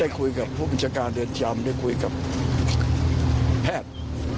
ได้คุยกับผู้มิชาการเดินชามได้คุยกับแพทย์